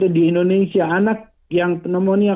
di indonesia anak yang pneumonia